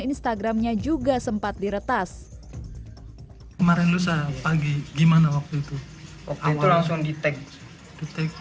instagramnya juga sempat diretas kemarin lusa pagi gimana waktu itu oke itu langsung di teks